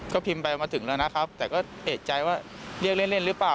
ก็พิมพ์ไปมาถึงแล้วนะครับแต่ก็เอกใจว่าเรียกเล่นหรือเปล่า